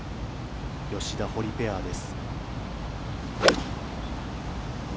吉田・堀ペアです。